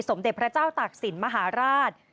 สมเด็จพระเจ้าตากศิลป์มหาราช